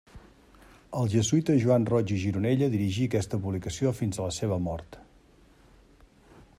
El jesuïta Joan Roig i Gironella dirigí aquesta publicació fins a la seva mort.